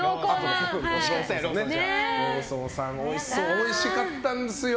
おいしかったんですよ